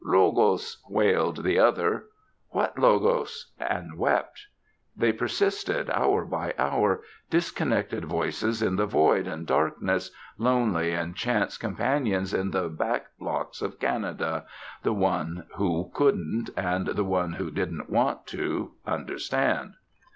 "Logos," wailed the other, "What Logos?" and wept. They persisted, hour by hour, disconnected voices in the void and darkness, lonely and chance companions in the back blocks of Canada, the one who couldn't, and the one who didn't want to, understand.